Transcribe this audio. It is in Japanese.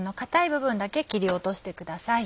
部分だけ切り落としてください。